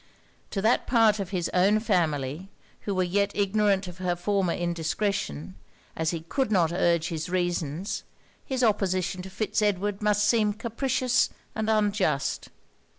To that part of his own family who were yet ignorant of her former indiscretion, as he could not urge his reasons, his opposition of Fitz Edward must seem capricious and unjust.